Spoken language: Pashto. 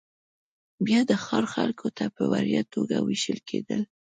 بیا د ښار خلکو ته په وړیا توګه وېشل کېدل